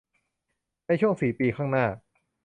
ในช่วงสี่ปีข้างหน้า